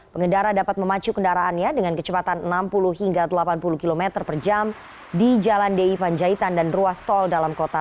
pengendara dapat memacu kendaraannya dengan kecepatan enam puluh hingga delapan puluh km per jam di jalan di panjaitan dan ruas tol dalam kota